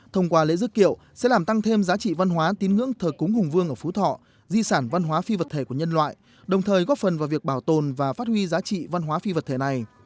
thông qua lễ dức kiệu sẽ làm tăng thêm giá trị văn hóa tín ngưỡng thờ cúng hùng vương ở phú thọ di sản văn hóa phi vật thể của nhân loại đồng thời góp phần vào việc bảo tồn và phát huy giá trị văn hóa phi vật thể này